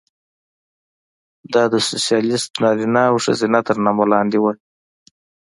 دا د سوسیالېست نارینه او ښځه تر نامه لاندې وه.